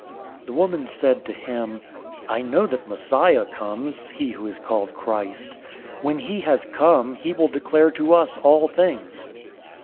004:025 The woman said to him, "I know that Messiah comes," (he who is called Christ). "When he has come, he will declare to us all things."